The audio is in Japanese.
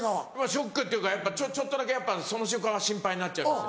ショックっていうかやっぱちょっとだけやっぱその瞬間は心配になっちゃいますよね。